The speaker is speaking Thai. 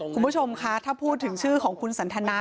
คุณผู้ชมคะถ้าพูดถึงชื่อของคุณสันทนา